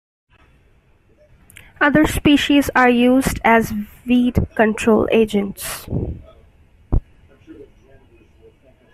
Other species are used as weed control agents.